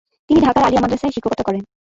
তিনি ঢাকার আলিয়া মাদ্রাসায় শিক্ষকতা করেন।